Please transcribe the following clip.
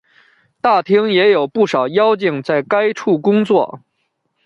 大厅内有不少妖精在该处工作。